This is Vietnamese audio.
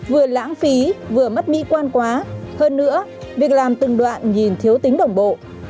vừa lãng phí vừa mất mỹ quan quá hơn nữa việc làm từng đoạn nhìn thiếu tính đồng bộ